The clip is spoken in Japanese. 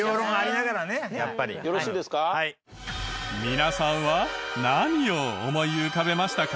皆さんは何を思い浮かべましたか？